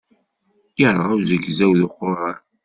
Irɣa uzegzaw d uquran.